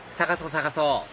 探そう